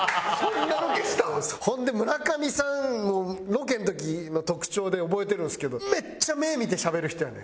ほんで村上さんロケの時の特徴で覚えてるんですけどめっちゃ目見てしゃべる人やねん相手の。